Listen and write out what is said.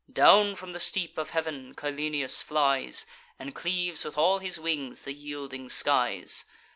Down from the steep of heav'n Cyllenius flies, And cleaves with all his wings the yielding skies.